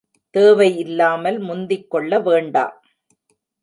தேவை இல்லாமல் முந்திக்கொள்ள வேண்டா.